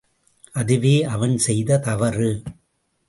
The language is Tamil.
அதுவே அவன் செய்த தவறு.